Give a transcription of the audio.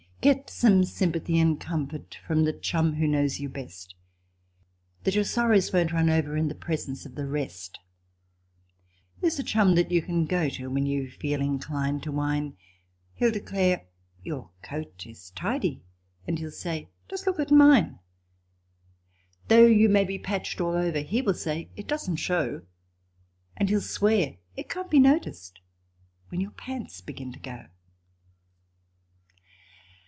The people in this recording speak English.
Get some sympathy and comfort from the chum who knows you best, Then your sorrows won't run over in the presence of the rest ; There's a chum that you can go to when you feel inclined to whine, He'll declare your coat is tidy, and he'll say : "Just look at mine !" Though you may be patched all over he will say it doesn't show, And he'll swear it can't be noticed when your pants begin to go.